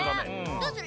どうする？